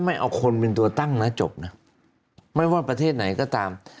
ไม่ว่ากระทั่งประเทศไหนก็ตาม